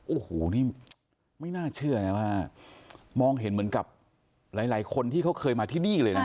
โอ้โหนี่ไม่น่าเชื่อนะว่ามองเห็นเหมือนกับหลายคนที่เขาเคยมาที่นี่เลยนะ